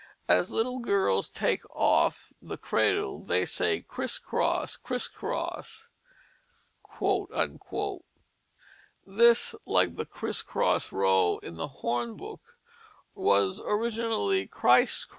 As little girls "take off" the cradle they say, "criss cross, criss cross." This like the criss cross row in the hornbook was originally Christ's cross.